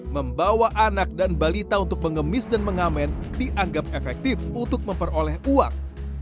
membawa anak dan balita untuk mengemis dan mengamen dianggap efektif untuk memperoleh uang